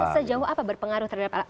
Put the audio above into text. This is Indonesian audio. tapi sejauh apa berpengaruh terhadap alat